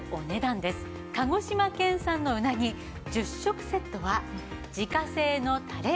鹿児島県産のうなぎ１０食セットは自家製のたれ